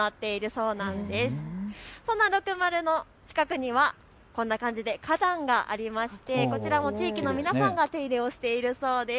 このろくまるの近くにはこんな感じで花壇がありましてこちらも地域の皆さんが手入れをしているそうです。